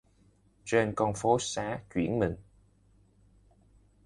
Trên con phố xá chuyển mình